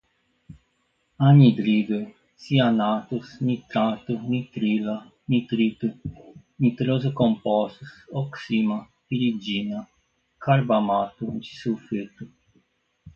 anidrido, cianatos, nitrato, nitrila, nitrito, nitroso compostos, oxima, piridina, carbamato, disulfeto